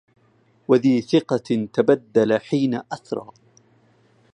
وذي ثقة تبدل حين أثرى